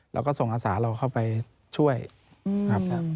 เราก็ส่งอาสาเราเข้าไปช่วยครับ